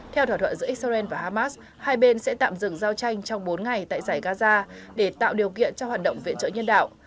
theo thỏa thuận giữa israel và hamas hai bên sẽ tạm dừng giao tranh trong bốn ngày tại giải gaza để tạo điều kiện cho hoạt động viện trợ nhân đạo